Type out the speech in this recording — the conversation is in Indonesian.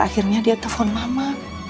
akhirnya dia telepon mama